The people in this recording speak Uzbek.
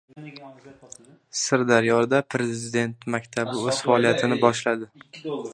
Sirdaryoda Prezident maktabi o‘z faoliyatini boshladi